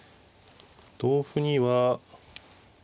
同歩には。